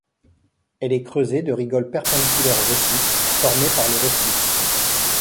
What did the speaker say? Elle est creusée de rigoles perpendiculaires au récif, formées par le reflux.